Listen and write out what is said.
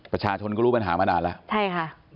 ประชาชนก็รู้ปัญหามานานแล้ว